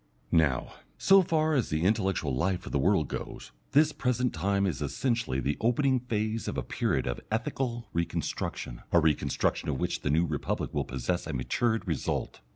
Now, so far as the intellectual life of the world goes, this present time is essentially the opening phase of a period of ethical reconstruction, a reconstruction of which the New Republic will possess the matured result.